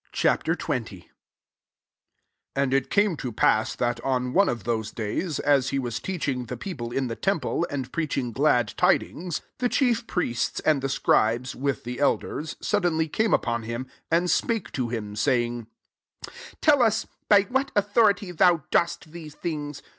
XX. 1 And it came to pass, that^ on one of [those'] days, as he was teaching the people in the temple, and preaching glad tidings, the chief priests, and the scribes, with the elders, suddenly came upon him ; 2 and spake to him, saying, " Tell us, by what au thority thou dost these things